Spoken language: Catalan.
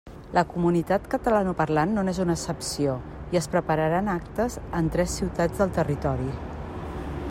La comunitat catalanoparlant no n'és una excepció i es prepararan actes en tres ciutats del territori.